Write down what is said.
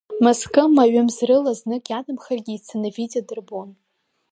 Мызкы, ма ҩымз рыла знык иадымхаргьы ицаны Витиа дырбон.